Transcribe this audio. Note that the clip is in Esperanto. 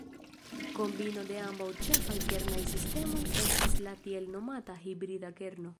Kombino de ambaŭ ĉefaj kernaj sistemoj estas la tiel nomata "hibrida kerno".